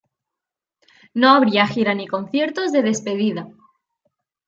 No habría gira ni conciertos de despedida.